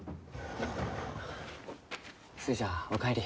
寿恵ちゃんお帰り。